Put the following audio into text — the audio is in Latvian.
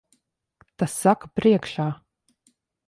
Tas saka priekšā.